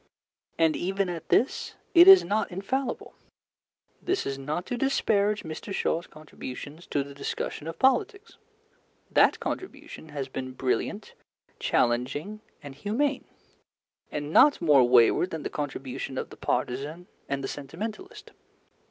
And, even at this, it is not infallible. This is not to disparage Mr. Shaw's contributions to the discussion of politics. That contribution has been brilliant, challenging, and humane, and not more wayward than the contribution of the partisan and the sentimentalist.